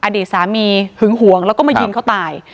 อดีตสามีหึงหวงแล้วก็มายิงเขาตาย